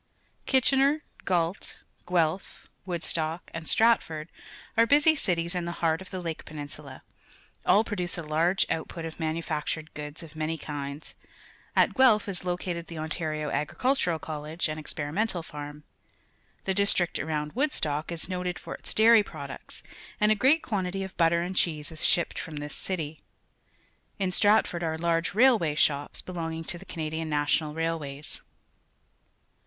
Kitchener, Gait, Guelph, Wood jtoek, and Stratford are busy cities in the heart of the Lake Penin sula; all produce a large output of manufactured goods of many kinds. At Guelp h is located the Ontario Agricultural College and Experimental Farm. The district around Woodstock is noted forjts dairy products, and a great quan tity of butter and cheese is sliipped from this city. Iii" Stratford are_ large railway shops, belonging to the Ca nadian National Railways.